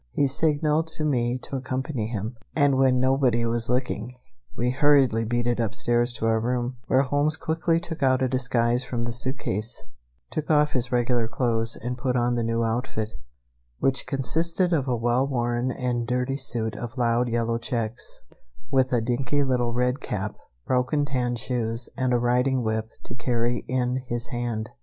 He signaled to me to accompany him, and when nobody was looking, we hurriedly beat it upstairs to our room, where Holmes quickly took out a disguise from the suit case, took off his regular clothes, and put on the new outfit, which consisted of a well worn and dirty suit of loud yellow checks, with a dinky little red cap, broken tan shoes, and a riding whip to carry in his hand.